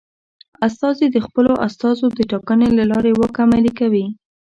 استازي د خپلو استازو د ټاکنې له لارې واک عملي کوي.